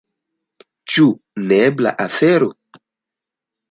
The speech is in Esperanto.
Ĉu neebla afero?